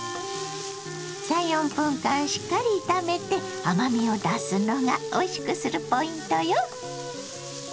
３４分間しっかり炒めて甘みを出すのがおいしくするポイントよ。